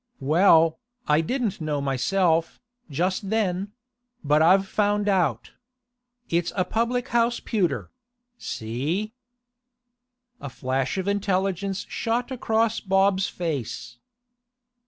'Well, I didn't know myself, just then: but I've found out. It's a public house pewter—see?' A flash of intelligence shot across Bob's face.